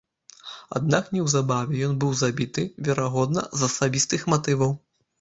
Аднак неўзабаве ён быў забіты, верагодна, з асабістых матываў.